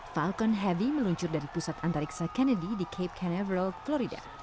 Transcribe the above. falcon heavy meluncur dari pusat antariksa kennedy di cape canaverall florida